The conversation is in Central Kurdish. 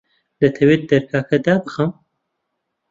دەتەوێت دەرگاکە دابخەم؟